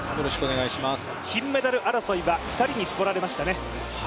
金メダル争いは２人に絞られましたね。